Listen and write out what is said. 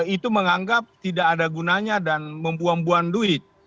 itu menganggap tidak ada gunanya dan membuang buang duit